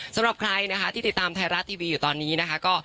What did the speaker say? สำหรับใครที่ติดตามไทยรัตทีวีตอนนี้ก็